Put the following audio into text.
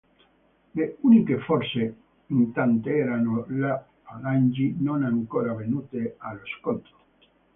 Le uniche forze intatte erano le falangi, non ancora venute allo scontro.